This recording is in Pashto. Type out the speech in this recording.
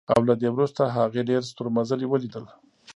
او له دې وروسته هغې ډېر ستورمزلي ولیدل